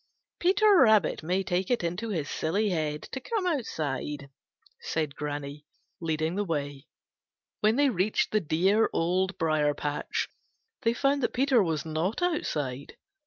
Peter Rabbit may take it into his silly head to come outside," said Granny, leading the way. When they reached the dear Old Briar patch they found that Peter was not outside.